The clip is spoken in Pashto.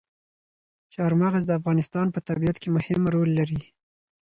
چار مغز د افغانستان په طبیعت کې مهم رول لري.